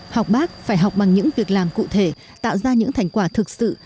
học bác phải học bằng những việc làm cụ thể tạo ra những thành quả thực sự